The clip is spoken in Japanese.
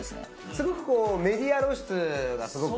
すごくメディア露出がすごく多いからね。